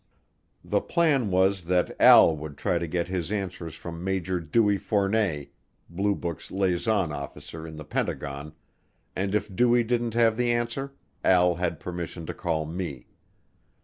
The plan was that Al would try to get his answers from Major Dewey Fournet, Blue Book's liaison officer in the Pentagon, and if Dewey didn't have the answer, Al had permission to call me.